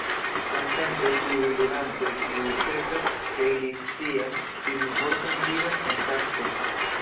Samtempe tiuj ludantoj kiuj certas ke ili scias tiun vorton diras "Kontakto!